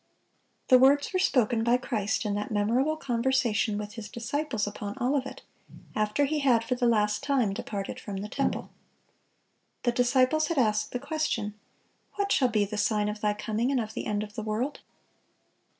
The words were spoken by Christ in that memorable conversation with His disciples upon Olivet, after He had for the last time departed from the temple. The disciples had asked the question, "What shall be the sign of Thy coming, and of the end of the world?"